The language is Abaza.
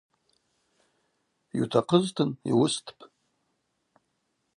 Йутахъызтын йуыстпӏ.